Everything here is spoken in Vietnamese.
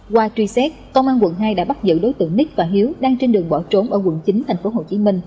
qua truy xét công an quận hai đã bắt giữ đối tượng ních và hiếu đang trên đường bỏ trốn ở quận chín tp hcm